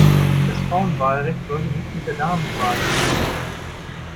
Das Frauenwahlrecht sollte nicht mit der Damenwahl verwechselt werden.